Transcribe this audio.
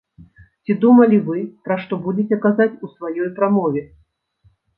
Ці думалі вы, пра што будзеце казаць у сваёй прамове?